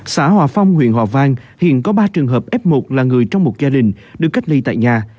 xã hòa phong huyện hòa vang hiện có ba trường hợp f một là người trong một gia đình được cách ly tại nhà